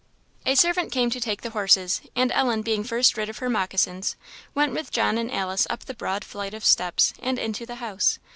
A servant came to take the horse, and Ellen, being first rid of her moccassins, went with John and Alice up the broad flight of steps, and into the house.